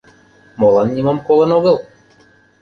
Молан нимом колын огыл?